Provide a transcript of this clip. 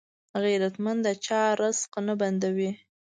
غیرتمند د چا رزق نه بندوي